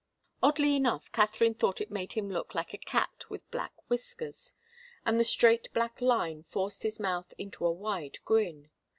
Oddly enough, Katharine thought it made him look like a cat with black whiskers, and the straight black line forced his mouth into a wide grin.